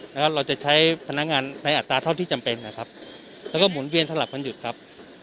แล้วก็เราจะใช้พนักงานในอัตราเท่าที่จำเป็นนะครับแล้วก็หมุนเวียนสลับวันหยุดครับ